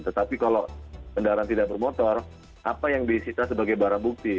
tetapi kalau kendaraan tidak bermotor apa yang disita sebagai barang bukti